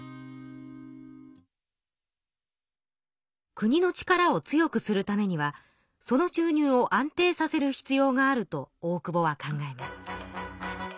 国の力を強くするためにはその収入を安定させる必要があると大久保は考えます。